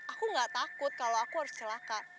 aku gak takut kalau aku harus celaka